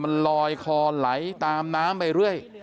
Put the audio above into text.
มันลอยคอไหลตามน้ำไปเรื่อย